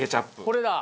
これだ！